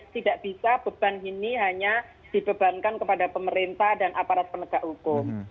tidak bisa beban ini hanya dibebankan kepada pemerintah dan aparat penegak hukum